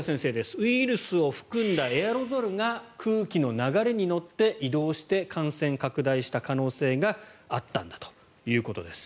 ウイルスを含んだエアロゾルが空気の流れに乗って移動して感染拡大した可能性があったんだということです。